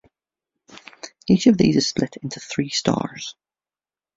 Each of these is split into three "Stars".